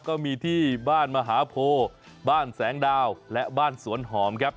ก็มีที่บ้านมหาโพบ้านแสงดาวและบ้านสวนหอมครับ